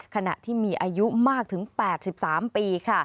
ขณะที่มีอายุมากถึง๘๓ปีค่ะ